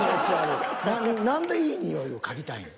何でいい匂いを嗅ぎたいん？